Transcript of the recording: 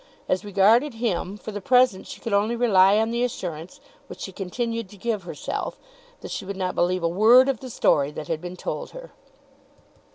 As regarded him, for the present she could only rely on the assurance, which she continued to give herself, that she would not believe a word of the story that had been told her.